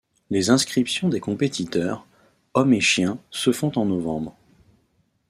Les inscriptions des compétiteurs, hommes et chiens, se font en novembre.